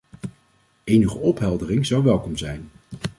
Enige opheldering zou welkom zijn.